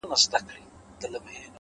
که څه کم و که بالابود و ستا په نوم و’